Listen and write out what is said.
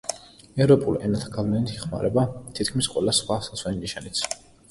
ევროპულ ენათა გავლენით იხმარება თითქმის ყველა სხვა სასვენი ნიშანიც.